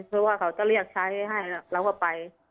เพราะว่าเขาจะเรียกใช้ให้เราก็ไป